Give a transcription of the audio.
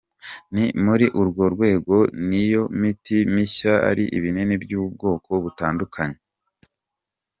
Ni muri urwo rwego n’iyo miti mishya ari ibinini by’ubwoko butandukanye.